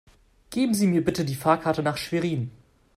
Geben Sie mir bitte die Fahrkarte nach Schwerin